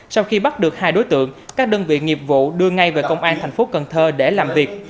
sau khi bắt được hai đối tượng các đơn vị nghiệp vụ đưa ngay về công an thành phố cần thơ để làm việc